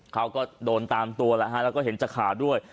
เขาก็โดนตามตัวแล้วฮะแล้วก็เห็นจากขาด้วย